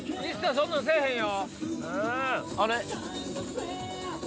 そんなんせぇへんよ。